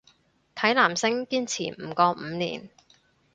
睇男星堅持唔過五年